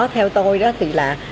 theo tôi đó thì là